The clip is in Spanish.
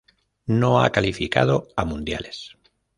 No ha calificado a mundiales.